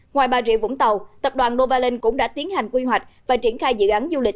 ngoài bà rịa vũng tàu tập đoàn novaland cũng đã tiến hành quy hoạch và triển khai dự án du lịch